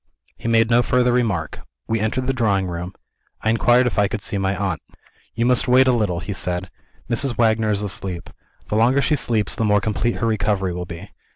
He made no further remark. We entered the drawing room. I inquired if I could see my aunt. "You must wait a little," he said. "Mrs. Wagner is asleep. The longer she sleeps the more complete her recovery will be.